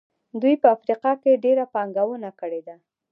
دوی په افریقا کې ډېره پانګونه کړې ده.